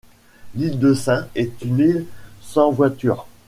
L'île de Sein est une île sans voitures.